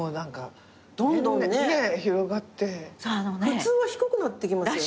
普通は低くなってきますよね。